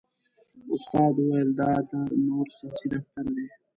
استاد ویل دا د نور سیاسي دفتر دی.